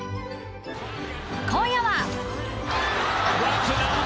今夜は。